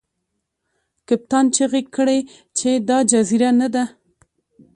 کپتان چیغې کړې چې دا جزیره نه ده.